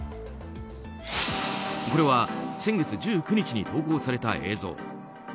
これは先月１９日に投稿された映像。